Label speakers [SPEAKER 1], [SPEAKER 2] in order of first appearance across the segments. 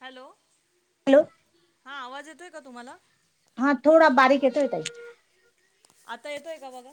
[SPEAKER 1] Hello,
[SPEAKER 2] hello,
[SPEAKER 1] हा आवाज येतोय का तुम्हाला
[SPEAKER 2] हां थोडा बारीक येतोय ताई.
[SPEAKER 1] आता येतोय का बघा?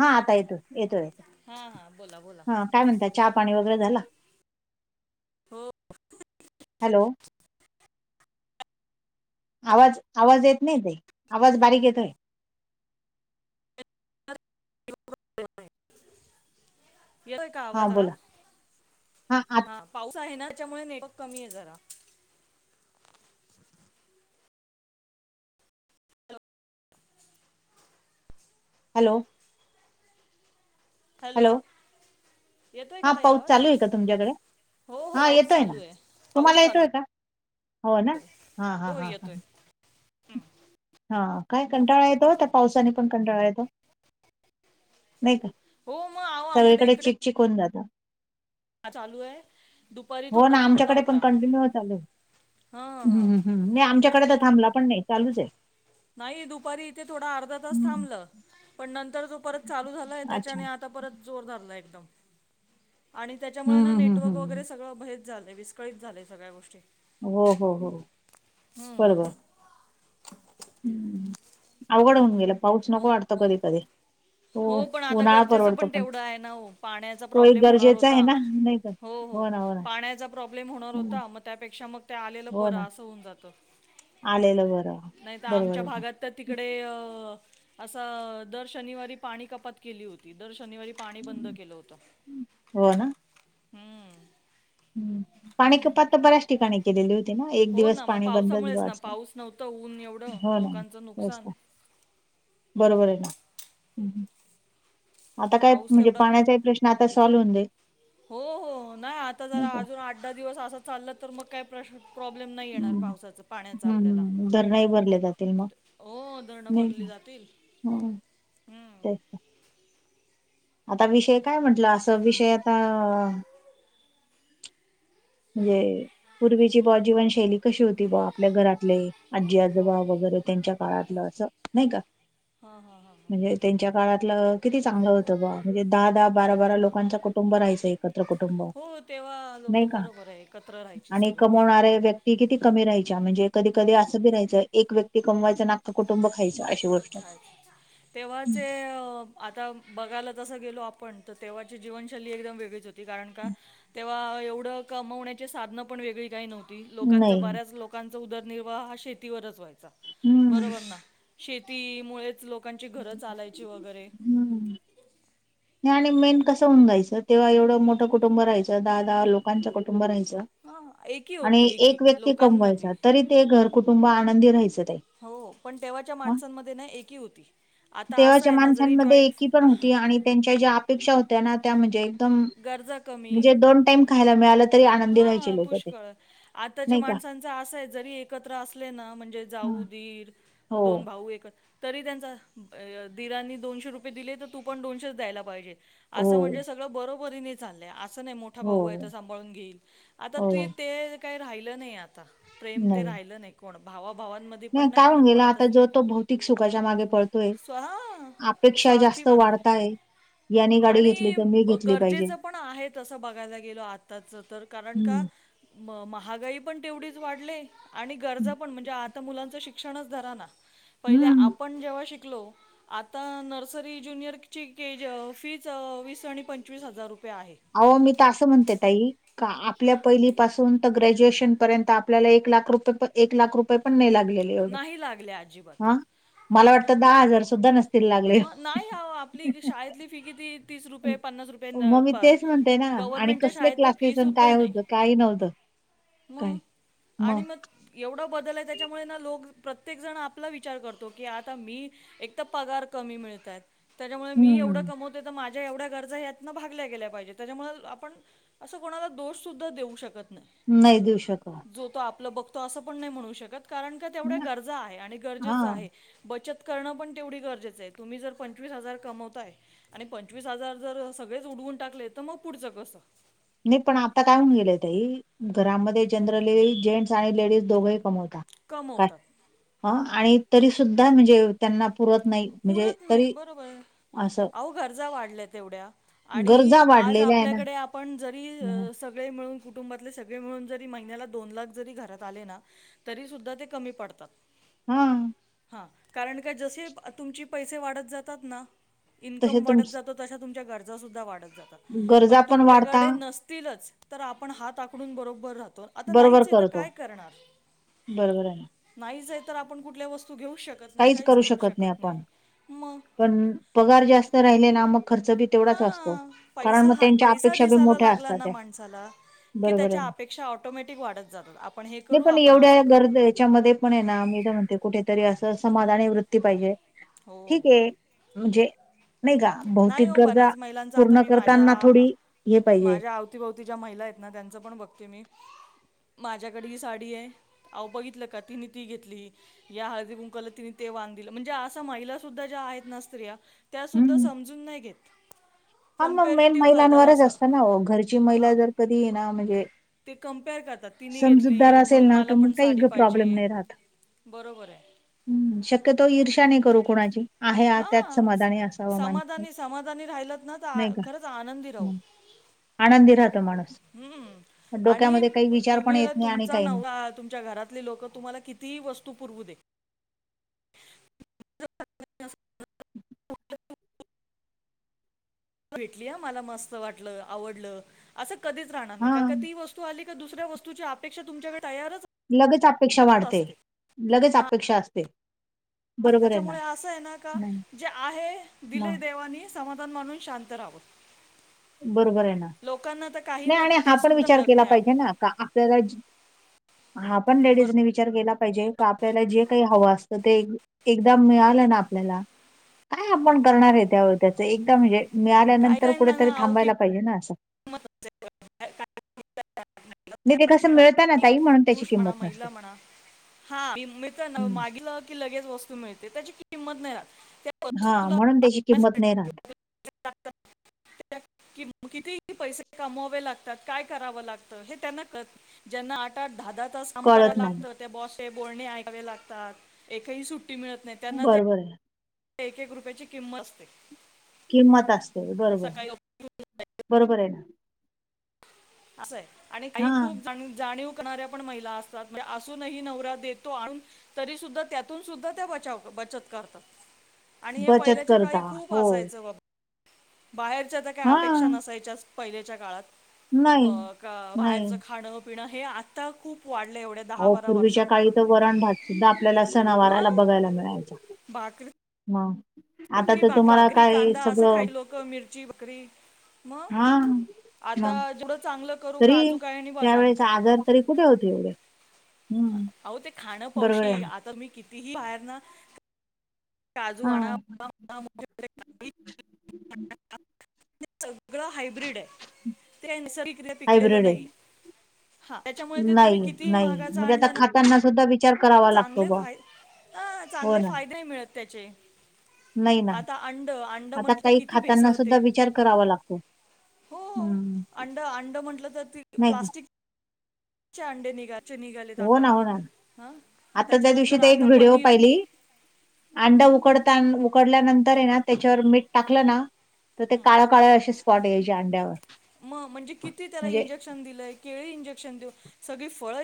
[SPEAKER 2] हां आता येतोय येतो येतो,
[SPEAKER 1] हा हा बोला बोला
[SPEAKER 2] हं काय म्हणतात चहा पाणी वगैरे झालं.
[SPEAKER 1] हो.
[SPEAKER 2] हॅलो, आवाज, आवाज येत नाही ताई, आवाज बारीक येतोय.
[SPEAKER 1] [unintelligible] येतोय का
[SPEAKER 2] हा
[SPEAKER 1] आवाज जरा,
[SPEAKER 2] बोला हा आ
[SPEAKER 1] हां. पाऊस आहे ना त्याच्यामुळे नेटवर्क कमी आहे जरा.
[SPEAKER 2] हॅलो,
[SPEAKER 1] हॅलो, येतोय का
[SPEAKER 2] हां
[SPEAKER 1] ताई
[SPEAKER 2] पाऊस
[SPEAKER 1] आवाज
[SPEAKER 2] चालू आहे का तुमच्याकडे?
[SPEAKER 1] हो हो
[SPEAKER 2] हां
[SPEAKER 1] पाऊस
[SPEAKER 2] येतोय ना
[SPEAKER 1] चालू आहे
[SPEAKER 2] तुम्हाला
[SPEAKER 1] पाऊस चालू
[SPEAKER 2] येतोय का, हो ना, हां
[SPEAKER 1] आहे
[SPEAKER 2] हां
[SPEAKER 1] हो
[SPEAKER 2] हां
[SPEAKER 1] येतोय
[SPEAKER 2] हां काय कंटाळा येतो तर पावसाने पण कंटाळा येतो, नाही का.
[SPEAKER 1] हो मग आहो आमच्याकडे
[SPEAKER 2] सगळीकडे
[SPEAKER 1] इकडे
[SPEAKER 2] चिकचिक होऊन जात.
[SPEAKER 1] चालू आहे दुपारी
[SPEAKER 2] हो
[SPEAKER 1] थोडा
[SPEAKER 2] ना,
[SPEAKER 1] थांबला
[SPEAKER 2] आमच्याकडे पण
[SPEAKER 1] होता
[SPEAKER 2] कंटिन्यू चालू आहे.
[SPEAKER 1] हा हा
[SPEAKER 2] हम् हम्, नाही आमच्याकडे तर थांबला पण नाही चालूच आहे.
[SPEAKER 1] नाही दुपारी इथे थोडा अर्धा तास
[SPEAKER 2] हम्म.
[SPEAKER 1] थांबलं पण नंतर जो परत चालू झालाय त्याच्या
[SPEAKER 2] अच्छा
[SPEAKER 1] ने आता परत जोर धरलाय एकदम आणि त्याच्यामुळे
[SPEAKER 2] हम्म
[SPEAKER 1] ना
[SPEAKER 2] हम्म हम्म
[SPEAKER 1] नेटवर्क वगै
[SPEAKER 2] हम्म.
[SPEAKER 1] वगैरे सगळं भैद झालं विस्कळीत झालंय सगळ्या गोष्टी.
[SPEAKER 2] हो हो हो
[SPEAKER 1] हम्म.
[SPEAKER 2] बरोबर. हम्, अवघड होऊन गेलं पाऊस नको वाटतं कधी कधी. तो
[SPEAKER 1] हो पण आता
[SPEAKER 2] उन्हाळा
[SPEAKER 1] गरजेचं
[SPEAKER 2] परवडतो
[SPEAKER 1] पण तेवढं आहे ना हो पाण्याचा
[SPEAKER 2] तो एक
[SPEAKER 1] प्रॉब्लेम होणार
[SPEAKER 2] गरजेचा आहे
[SPEAKER 1] होता
[SPEAKER 2] ना नाही का
[SPEAKER 1] ‌‌. हो हो,
[SPEAKER 2] ना ना
[SPEAKER 1] पाण्याचा प्रॉब्लेम होणार
[SPEAKER 2] हम्म
[SPEAKER 1] होता मग त्यापेक्षा मग ते आलेलं
[SPEAKER 2] हो
[SPEAKER 1] बरं
[SPEAKER 2] ना
[SPEAKER 1] असं होऊन जातं.
[SPEAKER 2] आलेलं बरं
[SPEAKER 1] नाही तर
[SPEAKER 2] बरोबर
[SPEAKER 1] आमच्या
[SPEAKER 2] आहे ना
[SPEAKER 1] भागात तर तिकडे अं, असं दर शनिवारी पाणी कपात केली होती दर शनिवारी पाणी बंद
[SPEAKER 2] हम्म.
[SPEAKER 1] केलं होतं,
[SPEAKER 2] हो
[SPEAKER 1] हम्म,
[SPEAKER 2] हम्, पाणी कपात तर बऱ्याच ठिकाणी केलेली होती ना एक
[SPEAKER 1] हो
[SPEAKER 2] दिवस
[SPEAKER 1] ना मग
[SPEAKER 2] पाणी बंदच
[SPEAKER 1] पावसामुळेच ना
[SPEAKER 2] अस
[SPEAKER 1] पाऊस नव्हतं ऊन एवढं
[SPEAKER 2] हो ना
[SPEAKER 1] लोकांचं
[SPEAKER 2] तेच
[SPEAKER 1] नुकसान.
[SPEAKER 2] ना. बरोबर आहे ना हं हं. आता काय
[SPEAKER 1] पाऊस
[SPEAKER 2] म्हणजे
[SPEAKER 1] तेवढं
[SPEAKER 2] पाण्याचाही प्रश्न आता सॉल्व होऊन जाईल.
[SPEAKER 1] हो हो नाही आता
[SPEAKER 2] नाही
[SPEAKER 1] जरा
[SPEAKER 2] का
[SPEAKER 1] अजून आठ दहा दिवस असं चाललं तर मग काय प्रश्न प्रॉब्लेम नाही येणार
[SPEAKER 2] हम्म
[SPEAKER 1] पावसाचा पाण्याचा आपल्याला
[SPEAKER 2] हम्म धरणही भरले जातील मग
[SPEAKER 1] हो धरणं भरली जात तील
[SPEAKER 2] हा तेच ना. आता विषय काय म्हंटलं असं विषय आता म्हणजे पूर्वीची बुवा जीवनशैली कशी होती बुवा आपल्या घरातले आजी
[SPEAKER 1] हो
[SPEAKER 2] आजोबा
[SPEAKER 1] हो
[SPEAKER 2] वगैरे त्यांच्या काळातलं असं नाही का
[SPEAKER 1] हां हां हां हां
[SPEAKER 2] म्हणजे त्यांच्या काळातलं किती चांगलं होतं बुवा म्हणजे दहा दहा बारा बारा लोकांचा कुटुंब राहायचंय. एकत्र कुटुंब
[SPEAKER 1] हो तेव्हा लोक
[SPEAKER 2] नाही का?
[SPEAKER 1] बरोबर एकत्र राहायची
[SPEAKER 2] आणि
[SPEAKER 1] सगळी
[SPEAKER 2] कमवणारे व्यक्ती किती कमी राहायच्या म्हणजे कधी कधी
[SPEAKER 1] हम्म.
[SPEAKER 2] असं बी राहायचं एक व्यक्ती कमवायचं ना अख्ख कुटुंब खायचं अशी गोष्ट
[SPEAKER 1] खायचं. तेव्हाचे अ, आता बघायला तसं गेलो आपण तर तेव्हाची जीवनशैली एकदम वेगळीच होती कारण का तेव्हा एवढं कमवण्याचे साधनं पण वेगळी काही नव्हती. लोकांचा
[SPEAKER 2] नाही
[SPEAKER 1] बऱ्याच लोकांचा उदरनिर्वाह हा शेतीवरच व्हायचा.
[SPEAKER 2] हम्म
[SPEAKER 1] बरोबर ना शेतीमुळेच लोकांची घरं चालायची वगैरे.
[SPEAKER 2] हम्म आणि मेन कसं होऊन जायचं तेव्हा एवढं मोठं कुटुंब राहायचं दहा दहा लोकांच कुटुंब राहायचं.
[SPEAKER 1] हां एकी होती
[SPEAKER 2] आणि
[SPEAKER 1] एकी
[SPEAKER 2] एक व्यक्ती
[SPEAKER 1] लोकांमध्ये
[SPEAKER 2] कमवायचा तरी ते घर कुटुंब आनंदी राहायचं ताई.
[SPEAKER 1] हो पण तेव्हाच्या
[SPEAKER 2] ह
[SPEAKER 1] माणसांमध्ये ना एकी होती. आता असं
[SPEAKER 2] तेव्हाच्या
[SPEAKER 1] आहे ना जरी
[SPEAKER 2] माणसांमध्ये
[SPEAKER 1] जॉईंट
[SPEAKER 2] एकी पण होती आणि त्यांच्या ज्या अपेक्षा होत्या ना त्या म्हणजे दम
[SPEAKER 1] गरजा कमी
[SPEAKER 2] म्हणजे दोन टाइम खायला मिळालं तरी आनंदी राहायचे
[SPEAKER 1] हां
[SPEAKER 2] लोक ते.
[SPEAKER 1] पुष्कळ. आताच्या
[SPEAKER 2] नाही का
[SPEAKER 1] माणसांच आसय जरी एकत्र असले ना म्हणजे
[SPEAKER 2] हां.
[SPEAKER 1] जाऊ, दीर,
[SPEAKER 2] हो
[SPEAKER 1] दोन भाऊ एक तरी त्यांचा दिरांनी दोनशे रुपये दिले तर तू पण दोनशेच द्यायला पाहिजेत.
[SPEAKER 2] हो
[SPEAKER 1] असं म्हणजे सगळं बरोबरीने चाललंय असं नाही मोठ ठा
[SPEAKER 2] हो
[SPEAKER 1] भाऊ आहे तर सांभाळून घेईल आता तु
[SPEAKER 2] हो
[SPEAKER 1] ते काही राहिलं नाही आत ता प्रेम ते राहिलं नाही कोण भावाभावांमध्ये पण
[SPEAKER 2] नाही काय
[SPEAKER 1] आणि
[SPEAKER 2] होऊन गेला आता
[SPEAKER 1] कोणातच
[SPEAKER 2] जो
[SPEAKER 1] नाही.
[SPEAKER 2] तो भौतिक सुखाच्या मागे पळतोय
[SPEAKER 1] स्व हां.
[SPEAKER 2] आ पेक्षा
[SPEAKER 1] स्वार्थी
[SPEAKER 2] जास्त
[SPEAKER 1] बनलंय.
[SPEAKER 2] वाढताय याने गाडी घेतली तर मी घेतली पाहि
[SPEAKER 1] जेच पण आहे तसं बघायला गेलो आताच तर कारण का
[SPEAKER 2] हम्म
[SPEAKER 1] म महागाई पण तेवढीच वाढली आणि गरजा पण म्हणजे आता मुलांचं शिक क्षणच धरा ना पहिले
[SPEAKER 2] हम्म
[SPEAKER 1] आपण जेव्हा शिकलो आता नर्सरी, ज्युनियरची केज फीच वीस आणि पंचवीस हजार रुपये आहे.
[SPEAKER 2] अहो मी तर आसं म्हणते ताई का आपल्या पहिली पासून त ग्रॅज्युएशन पर्यंत आपल्याला एक लाख रुपये पण एक लाख रुपये पण नाही लागलेले. एवढे
[SPEAKER 1] नाही लागल्या अजिबात
[SPEAKER 2] हा मला
[SPEAKER 1] हां
[SPEAKER 2] वाटत दहा हजार सुद्धा नस
[SPEAKER 1] मग नाही अहो आपली शाळेतली फि किती तीस रुपये, पन्नास रुपये न
[SPEAKER 2] मग मी
[SPEAKER 1] प
[SPEAKER 2] तेच म्हणते ना आणि
[SPEAKER 1] गव्हर्मेंटच्या
[SPEAKER 2] कसले
[SPEAKER 1] शाळेत त फी
[SPEAKER 2] क्लासेस आणि
[SPEAKER 1] सुद्धा
[SPEAKER 2] काय
[SPEAKER 1] नाही.
[SPEAKER 2] होतं काही नव्हतं काय
[SPEAKER 1] मग
[SPEAKER 2] मग
[SPEAKER 1] आणि न एवढं बदलल आहे त्याच्यामुळे ना लोक प्रत्येक जण आपला विचार करतो की आता मी एक तर पगार कमी मिळतायत त्याच्यामुळे मी एवढं
[SPEAKER 2] हम्म
[SPEAKER 1] कमवतोय तर माझ्या एवढ्या गरजा यातनं भागल्या गेल्या पाहिजेत त्याच्यामुळेच आपण असं कोणाला दोष सुद्धा देऊ शकत नाही.
[SPEAKER 2] नाही देऊ शकत.
[SPEAKER 1] जो तो आपल बघतो असं पण नाही म्हणू शकत कारण का तेवढ्या गरजा आहे आणि
[SPEAKER 2] हा
[SPEAKER 1] गरजेच आहे. बचत करणं पण तेवढी गरजेचं आहे. तुम्ही जर पंचवीस हजार कमवताय. आणि पंचवीस हजार जर सगळेच उडवून टाकले तर मग पुढचं कसं?
[SPEAKER 2] नाही पण आता काय होऊन गेले ताई घरामध्ये जनरली जेंट्स आणि लेडीज दोघंही कमवतात.
[SPEAKER 1] कमवतात
[SPEAKER 2] आ आणि तरी सुुद्धा म्हणजे त्यांना पुरत नाही म्हणजे
[SPEAKER 1] पुरत नाही
[SPEAKER 2] तरी
[SPEAKER 1] बरोबर
[SPEAKER 2] असं
[SPEAKER 1] अहो गरजा वाढल्या तेवढ्या आणि
[SPEAKER 2] गरजा
[SPEAKER 1] आज
[SPEAKER 2] वाढलेल्या आहे ना
[SPEAKER 1] आपल्याकडे आप पण जरी
[SPEAKER 2] म्हणून
[SPEAKER 1] सगळे अ मिळून कुटुंबातले सगळे मिळून जरी महिन्याला दोन लाख जरी घरात आले ना तरी सुुद्धा ते कमी पडतात
[SPEAKER 2] हुम
[SPEAKER 1] कारण का जसे तुम पैसे वाढत जातात ना
[SPEAKER 2] तसे
[SPEAKER 1] इन्कम
[SPEAKER 2] तुम
[SPEAKER 1] वाढत जात तश्या तुमच्या गरजा वाढत जातात
[SPEAKER 2] गरजा
[SPEAKER 1] पण
[SPEAKER 2] वाढता
[SPEAKER 1] तुमच्याकडे नस तीलच तर आपण हात आकडून बरोबर राहतो. आता
[SPEAKER 2] बरोबर
[SPEAKER 1] नाहीच आहे तर
[SPEAKER 2] करतो
[SPEAKER 1] काय करणार?
[SPEAKER 2] बरोबर आहे ना
[SPEAKER 1] नाहीच आहे तर आपण कुठल्या वस्तू घेऊ शकतो?
[SPEAKER 2] काहीच करू शकत नाही आपण.
[SPEAKER 1] नाही मग
[SPEAKER 2] पण पगार जास्त राहिले ना मग खर्च बी तेवढाच असतो
[SPEAKER 1] हां,
[SPEAKER 2] कारण
[SPEAKER 1] पैसा
[SPEAKER 2] मग
[SPEAKER 1] हा
[SPEAKER 2] त्यांच्या
[SPEAKER 1] पैसा
[SPEAKER 2] अपेक्षा बी मोठ्या असतात त्या
[SPEAKER 1] कि
[SPEAKER 2] बरोबर आहे
[SPEAKER 1] त्याच्या
[SPEAKER 2] ना.
[SPEAKER 1] अपेक्षा ऑटोमॅटिक वाढत जातात आपण हे करू आपण आसं
[SPEAKER 2] गर्दी याच्यामध्ये पण आहे नामीही तर म्हणते कुठेतरी असं समाधा आणि वृत्ती पाहिजे
[SPEAKER 1] हो.
[SPEAKER 2] ठीक आहे म्हणजे नाही का
[SPEAKER 1] नाही
[SPEAKER 2] भौतिक
[SPEAKER 1] हो
[SPEAKER 2] गरजा
[SPEAKER 1] बऱ्याच महिलांचा आता
[SPEAKER 2] पूर्ण
[SPEAKER 1] मी
[SPEAKER 2] करताना थोडी हे पाहिजे
[SPEAKER 1] अतीभोवती ज्या महिला आहेत ना त्यांचं पण बघते मी माझ्याकडे ही साडी आहे आहो बघितलं का तिने ती घेतली या हळदी कुंकला तिने ते वान दिलं म्हणजे असा महिला सुुद्धा ज्या आहेत ना स्त्रिया त्या सुद्धा
[SPEAKER 2] हम्म
[SPEAKER 1] समजून नाही घेत
[SPEAKER 2] हा मग मेन
[SPEAKER 1] कम्पेरेटिव्ह करतात
[SPEAKER 2] महिलांवरच
[SPEAKER 1] असं.
[SPEAKER 2] असतं ना घरची महिला
[SPEAKER 1] हां.
[SPEAKER 2] जर कधी ना म्हणजे
[SPEAKER 1] ते कम्पेअर करतात तिने
[SPEAKER 2] समजूतदार
[SPEAKER 1] घेतली
[SPEAKER 2] असेल
[SPEAKER 1] म्हणून
[SPEAKER 2] ना तर
[SPEAKER 1] मला
[SPEAKER 2] मग
[SPEAKER 1] पण
[SPEAKER 2] काही
[SPEAKER 1] साडी
[SPEAKER 2] ग-
[SPEAKER 1] पाहिजे
[SPEAKER 2] प्रॉब्लेम
[SPEAKER 1] बरोबर आहे
[SPEAKER 2] हम् शक्यतो ईर्षाने करू कुणाची आहे त्याच
[SPEAKER 1] हां
[SPEAKER 2] समाधानी असावं माणसाने
[SPEAKER 1] समाधानी समाधानी राहिलत ना तर खरंच आ आनंदी राहू
[SPEAKER 2] मग आनंदी राहत माणूस
[SPEAKER 1] हुम्म आणि
[SPEAKER 2] डोक्यामध्ये काही विचार पण
[SPEAKER 1] तुम्ही
[SPEAKER 2] येत
[SPEAKER 1] ल
[SPEAKER 2] नाही आणि
[SPEAKER 1] तुमचा
[SPEAKER 2] काही नाही
[SPEAKER 1] नव तुमच्या घरातले लोक तुम्हाला किती वस्तु पुरवु देत [inaudible] भेटली ह मला मस्त वाटलं आवडलं असं कधीच राहणार नाही कारण
[SPEAKER 2] हा
[SPEAKER 1] का ती वस तु आली का दुसऱ्या वतूची अेक्षा तुमच्याकडे तयारच आ
[SPEAKER 2] लगेच अपेक्षा वाढते लगेच
[SPEAKER 1] हा
[SPEAKER 2] अपेक्षा असते बरोबर आहे ना
[SPEAKER 1] त्याच्यामुळे असं आहे ना का
[SPEAKER 2] नाही
[SPEAKER 1] जे आहे दिले
[SPEAKER 2] मग
[SPEAKER 1] देवानी समाधान मानून शांत राहाव
[SPEAKER 2] बरोबर आहे ना नाही
[SPEAKER 1] तर
[SPEAKER 2] आणि हा
[SPEAKER 1] ते
[SPEAKER 2] पण
[SPEAKER 1] सुद्धा
[SPEAKER 2] विचार
[SPEAKER 1] मिळत
[SPEAKER 2] केला
[SPEAKER 1] नाही अहो
[SPEAKER 2] पाहिजे ना का आपल्याला हा पण लेडीजने
[SPEAKER 1] बरोबर
[SPEAKER 2] विचार केला पाहिजे क आपल्याला जे काही हवं असतं ते एकदा मिळालं ना आपल्याला काय आपण करणार आहे त्यावर त्याच एदा म म्हणजे
[SPEAKER 1] काही
[SPEAKER 2] मिळाल्यानंतर
[SPEAKER 1] काहींना
[SPEAKER 2] कुठेतरी
[SPEAKER 1] ना अहो
[SPEAKER 2] थांबायला
[SPEAKER 1] किंमत
[SPEAKER 2] पाहिजे ना असं
[SPEAKER 1] [inaudible]
[SPEAKER 2] नाही ते
[SPEAKER 1] [inaudible]
[SPEAKER 2] कसं मिळतं ना ताई म्हणून त्याची
[SPEAKER 1] पुरुष म्हणा
[SPEAKER 2] किंमत नसते
[SPEAKER 1] महिला म्हणा हा मी तर मागी लगेच वस्तू मिळते त्याची किंमत नाही राहत. त्या
[SPEAKER 2] हा
[SPEAKER 1] वस्तूला
[SPEAKER 2] म्हणून त्याची किंमत
[SPEAKER 1] आणण्यासाठी
[SPEAKER 2] नाही राहत.
[SPEAKER 1] [inaudible] कि म किती पैसे कमावावे लागतात काय करावं लागतं हे त्यांना क ज्यांना आठ -आठ दहा- दहा तास काम कराय
[SPEAKER 2] कळत नाही
[SPEAKER 1] लागतं त्या बाॅस चे बोलणे ऐकावे लागतात एकही सुट्टी मिळत नाही. त्यांना ते
[SPEAKER 2] बरोबर आहे.
[SPEAKER 1] एक- एक रुपयाची किंमत असते.
[SPEAKER 2] किंमत असते बरोबर-
[SPEAKER 1] सकाळी
[SPEAKER 2] बरोबर आहे ना.
[SPEAKER 1] आसं आहे. आणि काही
[SPEAKER 2] हा
[SPEAKER 1] खूप जाणीव शीकणाऱ्या पण महिला असतात. म्हणजे असूनही नवरा देतो आणून. तरी सुद्धा त्यातून सुद्धा त्या बचाव बचत करतात. आणि हे
[SPEAKER 2] बचत
[SPEAKER 1] पहिल्याच्या
[SPEAKER 2] करता
[SPEAKER 1] काळी खूप
[SPEAKER 2] हो
[SPEAKER 1] असायचं बा बाहेरच्या तर काय
[SPEAKER 2] हा
[SPEAKER 1] अपेक्षा नसायच्यास पहिलेच्या काळात ब
[SPEAKER 2] नाही
[SPEAKER 1] क
[SPEAKER 2] नाही
[SPEAKER 1] बाहेरच खाणं पिणं हे आता खूप वाढलं एवढ्यात.
[SPEAKER 2] हो पूर्वीच्या काळी तर वरण भात सुद्धा आपल्याला सणावाराला
[SPEAKER 1] मग
[SPEAKER 2] बघायला मिळायच्या
[SPEAKER 1] भाकरी
[SPEAKER 2] मग. आता
[SPEAKER 1] चटणी
[SPEAKER 2] तर तुम्हाला
[SPEAKER 1] भाकरी
[SPEAKER 2] काय
[SPEAKER 1] कांदा असं
[SPEAKER 2] सगळं
[SPEAKER 1] खायील लोक मिरची भाकरी मग
[SPEAKER 2] हा
[SPEAKER 1] आता
[SPEAKER 2] मग
[SPEAKER 1] जवडं चांगलं करू काजू काय आणि बदाम काय.
[SPEAKER 2] जर तरी कुठे होते एवढ्या हम्म.
[SPEAKER 1] अहो ते खाणं
[SPEAKER 2] बरोबर
[SPEAKER 1] पावशी
[SPEAKER 2] आहे ना
[SPEAKER 1] आता मी कितीही बाहेर न काजू
[SPEAKER 2] हा
[SPEAKER 1] आणा.... [inaudible] आताच [inaudible] सगळं हायब्रीड आहे ते सर पिकलेलं
[SPEAKER 2] हायब्रीड आहे
[SPEAKER 1] नाही हां त्याच्यामुळे ते तुम्ही कितीही महागाच आणलं ना.
[SPEAKER 2] त्यांना सुद्धा विचार करावा लागतो
[SPEAKER 1] चांगले
[SPEAKER 2] बा
[SPEAKER 1] फाय अ
[SPEAKER 2] हो
[SPEAKER 1] चांगले
[SPEAKER 2] ना
[SPEAKER 1] फायदे मिळते त्याचे
[SPEAKER 2] नाही ना
[SPEAKER 1] आता अंड -अंड
[SPEAKER 2] आता
[SPEAKER 1] म्हटलं तर
[SPEAKER 2] काही
[SPEAKER 1] किती भेसळ
[SPEAKER 2] खाताना सुद्धा
[SPEAKER 1] होते.
[SPEAKER 2] विचार करावा लागतो
[SPEAKER 1] हो
[SPEAKER 2] हम्म
[SPEAKER 1] अंड- अंड म्हटलं तर ते
[SPEAKER 2] नाही का
[SPEAKER 1] प्लास्टिक चे अंडे निघाले.
[SPEAKER 2] हो ना - हो ना. आता त्या दिवशी
[SPEAKER 1] त्याच्यानंतर
[SPEAKER 2] ते एक
[SPEAKER 1] आता
[SPEAKER 2] व्हिडिओ
[SPEAKER 1] पनीर
[SPEAKER 2] पाहिली अंड
[SPEAKER 1] हं,
[SPEAKER 2] उकडत उकडल्यानंतर ना त्याच्यावर मीठ टाकलं ना तर ते
[SPEAKER 1] हं.
[SPEAKER 2] काळ- काळ अस स्पॉट यायचे अंड्यावर.
[SPEAKER 1] मग म्हणजे किती त्याला
[SPEAKER 2] म्हणजे
[SPEAKER 1] इंजेक्शन दिलंय केळी इंजेक्शन देऊ सगळी फळ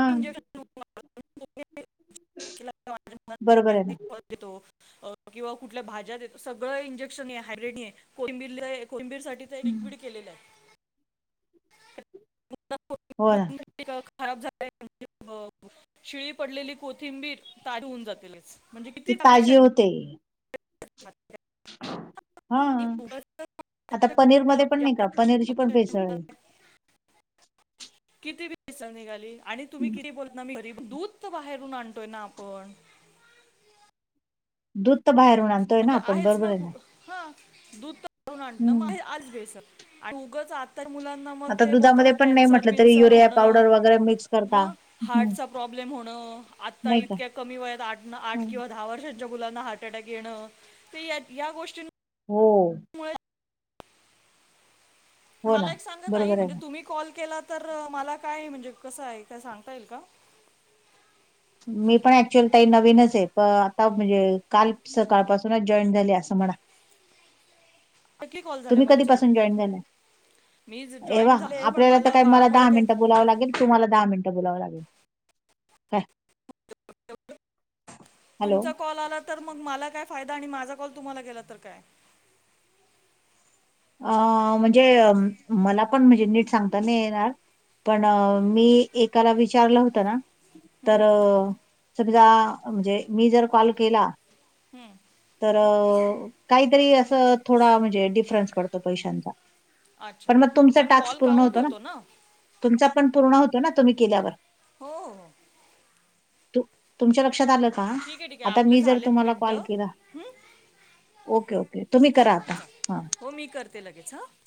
[SPEAKER 1] [inaudible] [unintelligible]
[SPEAKER 2] बरोबर आहे ना
[SPEAKER 1] किंवा कुठल्या भाज्यात येतो सगळं इंजेक्शन आहे हायब्रीड कोथिंबीर कोथिंबीरसाठी ते
[SPEAKER 2] हम्म,
[SPEAKER 1] लिक्विड केलेलं आहे.
[SPEAKER 2] हो ना.
[SPEAKER 1] [unintelligible] खराब झालेल शिळी पडलेली कोथिंबीर ताजी होऊन जाते लगेच. म्हणजे
[SPEAKER 2] ती
[SPEAKER 1] किती आपल्या
[SPEAKER 2] ताजी
[SPEAKER 1] शरीरात
[SPEAKER 2] होते. हा आता पनीर मध्ये पण नाही का पनीरची पण भेसळ आहे.
[SPEAKER 1] किती भेसळ निघाली आणि तुम्ही किती बोलता ना मी घरी दूध तर बाहेरून आणतोय ना आपण.
[SPEAKER 2] दूध तर बाहेरून आणतोय ना
[SPEAKER 1] म्हणजे
[SPEAKER 2] आपण
[SPEAKER 1] आहेच
[SPEAKER 2] बरोबर आहे
[SPEAKER 1] कु-
[SPEAKER 2] ना.
[SPEAKER 1] हा दूध त आणत
[SPEAKER 2] हम्म
[SPEAKER 1] महे आज भेसळ आणि उगच आ तर मुलांना मग
[SPEAKER 2] आता
[SPEAKER 1] ते बोलत
[SPEAKER 2] दुधामध्ये
[SPEAKER 1] ना
[SPEAKER 2] पण नाही
[SPEAKER 1] कॅन्सर
[SPEAKER 2] म्हटलं तरी
[SPEAKER 1] बिन्सर
[SPEAKER 2] युरिया
[SPEAKER 1] होणं
[SPEAKER 2] पावडर वगैरे मिक्स करता
[SPEAKER 1] मग
[SPEAKER 2] हम्म
[SPEAKER 1] हार्टचा प्रॉब्लेम होणं, आत्ता
[SPEAKER 2] नाही का
[SPEAKER 1] इतक्या कमी वयात आठ आठ
[SPEAKER 2] हं.
[SPEAKER 1] किंवा दहा वर्षच्या मुलांना हार्ट अटॅक येणं. ते यात या गोष्टी
[SPEAKER 2] हो हो ना
[SPEAKER 1] मला एक सांगा ताई
[SPEAKER 2] बरोबर आहे
[SPEAKER 1] म्हणजे
[SPEAKER 2] ना
[SPEAKER 1] तुम्ही कॉल केला तर मला काय म्हणजे कसं आहे काय सांगता येईल का?
[SPEAKER 2] मी पण ऍक्च्युअल ताई नवीनच आहे. प आता म्हणजे काल सकाळपासूनच जॉईन झाले असं म्हणा
[SPEAKER 1] किती कॉल झाले
[SPEAKER 2] तुम्ही
[SPEAKER 1] मग तुझे
[SPEAKER 2] कधीपसून जॉईन झाल्या?
[SPEAKER 1] मी
[SPEAKER 2] अरे
[SPEAKER 1] जॉईन
[SPEAKER 2] वाह!
[SPEAKER 1] झाले आहे पण
[SPEAKER 2] आपल्याला तर काय मला
[SPEAKER 1] बाळामुळे
[SPEAKER 2] दहा
[SPEAKER 1] काय
[SPEAKER 2] मिनटं बोलावं लागेल. तुम्हाला दहा मिनटं बोलावं लागेल. काय हॅलो
[SPEAKER 1] तुमचा कॉल आला... तर मग मला काय फायदा? आणि माझा कॉल तुम्हाला गेला तर काय? हम्म,
[SPEAKER 2] अ.. म्हणजे मला पण म्हणजे नीट सांगता नाही येणार. पण मी एकाला विचारलं होत ना, तर
[SPEAKER 1] हम्म.
[SPEAKER 2] समजा, म्हणजे मी जर कॉल केला
[SPEAKER 1] हम्म
[SPEAKER 2] तर, काहीतरी असं थोडा म्हणजे डिफरन्स पडतो पैशांचा.
[SPEAKER 1] अच्छा
[SPEAKER 2] पण मग तुमचा
[SPEAKER 1] पण
[SPEAKER 2] टास्क
[SPEAKER 1] कॉल
[SPEAKER 2] पूर्ण
[SPEAKER 1] काउंट
[SPEAKER 2] होतो ना.
[SPEAKER 1] हो
[SPEAKER 2] तुमचा पण पूर्ण होतो ना तुम्ही केल्यावर.
[SPEAKER 1] हो हो
[SPEAKER 2] तुमच्या लक्षात आलं का?
[SPEAKER 1] ठीक आहे ठीक आहे
[SPEAKER 2] आता
[SPEAKER 1] आपलं
[SPEAKER 2] मी जर
[SPEAKER 1] झालेत
[SPEAKER 2] तुम्हाला कॉल
[SPEAKER 1] मिनटं
[SPEAKER 2] केला.
[SPEAKER 1] हं?
[SPEAKER 2] ओके ओके तुम्ही करा
[SPEAKER 1] हां
[SPEAKER 2] आता हा
[SPEAKER 1] चालेल हो मी करते लगेच हं